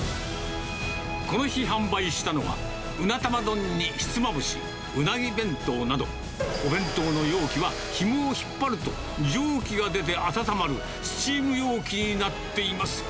この日販売したのは、うな玉丼にひつまぶし、うなぎ弁当など、お弁当の容器はひもを引っ張ると、蒸気が出て温まるスチーム容器になっています。